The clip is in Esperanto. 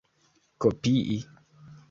kopii